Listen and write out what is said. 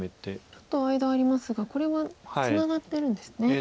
ちょっと間ありますがこれはツナがってるんですね。